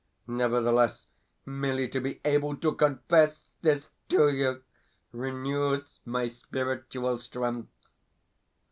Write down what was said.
Nevertheless, merely to be able to CONFESS this to you renews my spiritual strength.